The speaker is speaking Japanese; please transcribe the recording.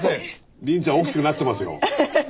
凜ちゃん大きくなってますよ。